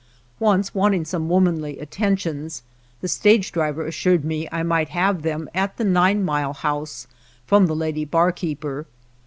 Once wanting some womanly attentions, the stage driver assured me I might have them at the Nine Mile House from the lady barkeeper.